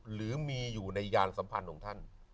หรือมีอยู่ในยานสัมพันธ์ของท่าน